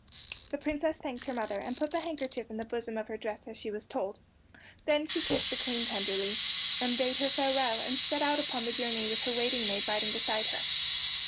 The Princess thanked her mother, and put the handkerchief in the bosom of her dress as she was told. Then she kissed the Queen tenderly, and bade her farewell, and set out upon the journey with her waiting maid riding beside her.